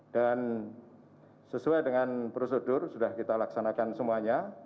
dan sesuai dengan prosedur sudah kita laksanakan semuanya